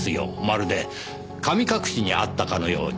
まるで神隠しにあったかのように。